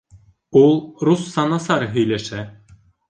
Ул русса насар һөйләшә.